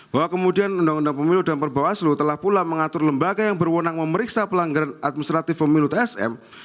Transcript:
bahwa kemudian undang undang pemilu dan perbawaslu telah pula mengatur lembaga yang berwenang memeriksa pelanggaran administratif pemilu tsm